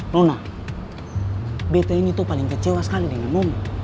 nona btn itu paling kecewa sekali di nomo